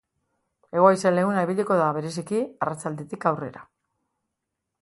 Hego-haize leuna ibiliko da, bereziki, arratsaldetik aurrera.